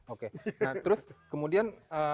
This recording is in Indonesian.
oke terus kemudian